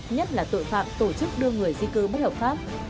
nhất là tội phạm tổ chức đưa người di cư bất hợp pháp